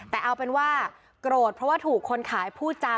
แล้วก็ฟังไม่ค่อยชัด